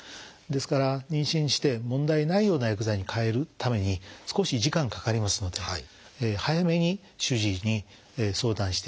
ですから妊娠して問題ないような薬剤に替えるために少し時間かかりますので早めに主治医に相談していただきたいというふうに思います。